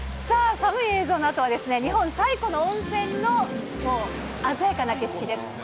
さあ、寒い映像のあとは、日本最古の温泉の鮮やかな景色です。